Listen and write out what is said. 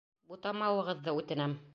Бутамауығыҙҙы үтенәм!